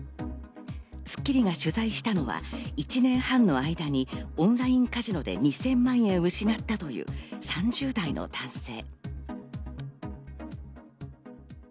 『スッキリ』が取材したのは１年半の間に、オンラインカジノで２０００万円を失ったという３０代の男性。